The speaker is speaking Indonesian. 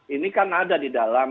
ini kan ada di dalam